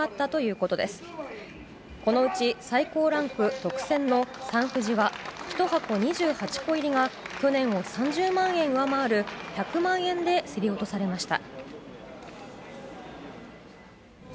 このうち最高ランク特選のサンふじは１箱２８個入りが去年を３０万円上回る１００万円で競り落とされました。